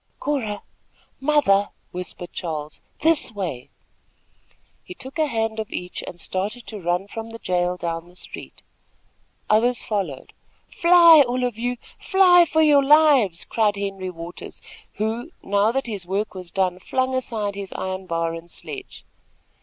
"Cora! Mother!" whispered Charles, "this way!" He took a hand of each and started to run from the jail down the street. Others followed. "Fly! all of you! Fly for your lives!" cried Henry Waters, who, now that his work was done, flung aside his iron bar and sledge.